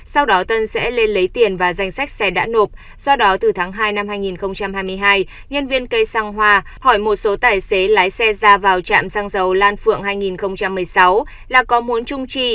sau đó tân sẽ lên lấy tiền và danh sách xe đã nộp do đó từ tháng hai năm hai nghìn hai mươi hai nhân viên cây xăng hoa hỏi một số tài xế lái xe ra vào trạm xăng dầu lan phượng hai nghìn một mươi sáu là có muốn trung trì